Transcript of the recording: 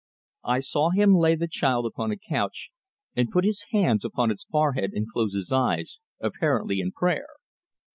I saw him lay the child upon a couch, and put his hands upon its forehead, and close his eyes, apparently in prayer.